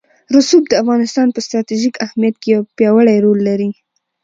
رسوب د افغانستان په ستراتیژیک اهمیت کې یو پیاوړی رول لري.